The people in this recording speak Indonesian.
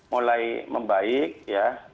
mulai membaik ya